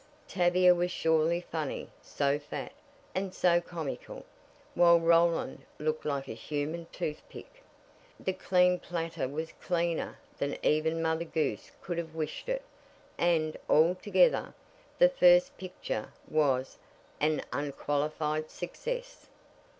Tavia was surely funny so fat, and so comical, while Roland looked like a human toothpick. The clean platter was cleaner than even Mother Goose could have wished it, and, altogether, the first picture was an unqualified success.